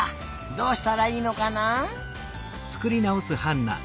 どうしたらいいのかな？